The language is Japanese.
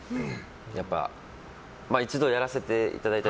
やっぱ、一度やらせていただいて。